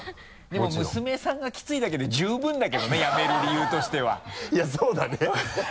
でも娘さんがキツイだけで十分だけどねやめる理由としてはいやそうだね